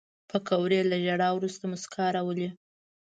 پکورې له ژړا وروسته موسکا راولي